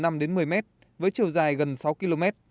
đất liền từ năm đến một mươi mét với chiều dài gần sáu km